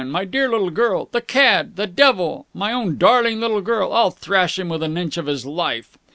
My dear little girl! The cad! The devil! My own darling little girl! I'll thrash him within an inch of his life!"